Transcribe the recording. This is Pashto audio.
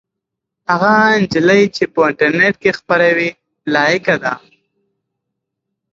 هغه نجلۍ چې په انټرنيټ کې خپروي لایقه ده.